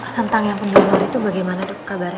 tentang yang pendonor itu bagaimana dok kabarnya